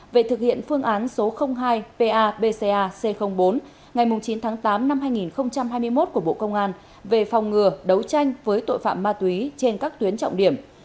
về thực hiện phương án số hai pa bca c bốn ngày chín tháng tám năm hai nghìn hai mươi một của bộ công an về phòng ngừa đấu tranh với tội phạm ma túy trên các tuyến trọng điểm